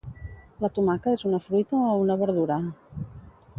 La tomaca és una fruita o una verdura?